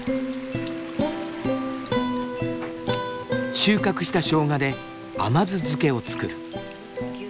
収穫したしょうがで甘酢漬けを作る。